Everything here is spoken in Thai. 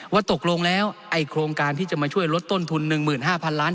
ว่าตกลงแล้วไอ้โครงการที่จะมาช่วยลดต้นทุน๑๕๐๐๐ล้าน